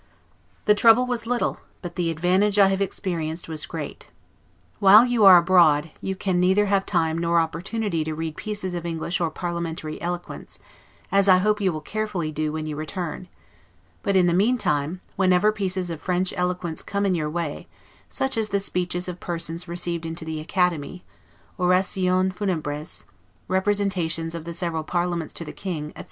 The trouble was little, but the advantage I have experienced was great. While you are abroad, you can neither have time nor opportunity to read pieces of English or parliamentary eloquence, as I hope you will carefully do when you return; but, in the meantime, whenever pieces of French eloquence come in your way, such as the speeches of persons received into the Academy, 'orasions funebres', representations of the several parliaments to the King, etc.